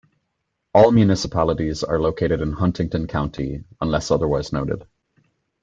All municipalities are located in Huntingdon County unless otherwise noted.